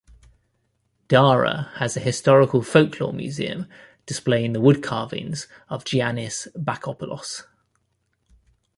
Dara has a historical folklore museum displaying the woodcarvings of Giannis Bakopoulos.